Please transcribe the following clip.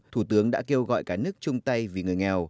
thủ tướng đã kêu gọi cả nước chung tay vì người nghèo